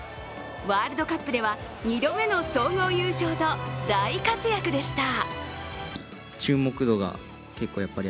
ワールドカップでは２度目の総合優勝と大活躍でした。